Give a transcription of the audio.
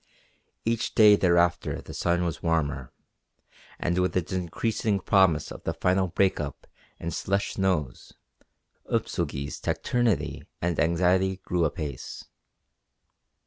Each day thereafter the sun was warmer, and with its increasing promise of the final "break up" and slush snows, Upso Gee's taciturnity and anxiety grew apace.